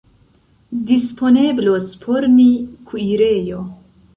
Disponeblos por ni kuirejo.